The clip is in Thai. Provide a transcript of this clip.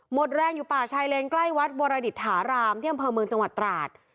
หมดแรงอยู่ป่าชายเลนใกล้วัดวรดิษฐารามที่อำเภอเมืองจังหวัดตราด